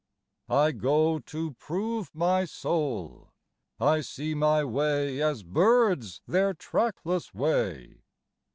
I go to prove my soul ! I 3ee my way as birds their trackless way.